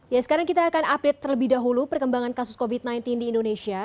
ya sekarang kita akan update terlebih dahulu perkembangan kasus covid sembilan belas di indonesia